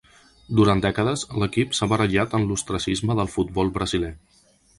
Durant dècades, l’equip s’ha barallat en l’ostracisme del futbol brasiler.